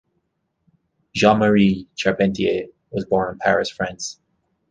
Jean-Marie Charpentier was born in Paris, France.